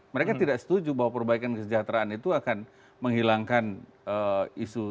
mereka tidak setuju bahwa perbaikan kesejahteraan itu akan menghilangkan isu